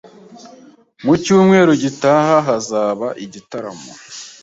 Ku cyumweru gitaha hazaba igitaramo.